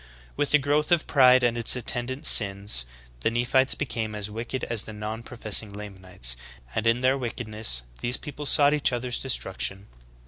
With the growth of pride and its attendant sins, the Nephites became as wicked as the non professing Lamanites ;' and in their wickedness these people sought each other's destruction.